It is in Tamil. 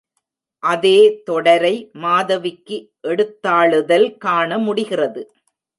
அதே தொடரை மாதவிக்கு எடுத்தாளுதல் காண முடிகிறது.